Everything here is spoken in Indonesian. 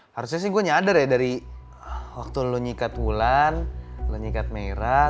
harusnya sih gua nyadar ya dari waktu lu nyikat bulan lu nyikat merah